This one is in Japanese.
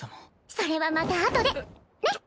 それはまたあとでねっ！